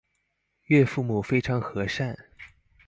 岳父母非常和善